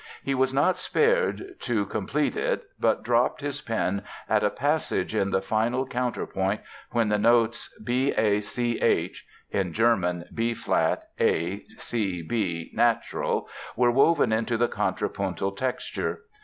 He was not spared to complete it but dropped his pen at a passage in the final counterpoint when the notes "B A C H" (in German B flat, A, C, B natural) were woven into the contrapuntal texture.